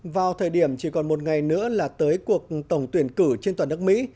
vào thời điểm chỉ còn một ngày nữa là tới cuộc tổng tuyển cử trên toàn nước mỹ